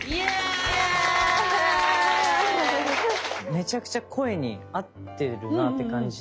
めちゃくちゃ声に合ってるなって感じて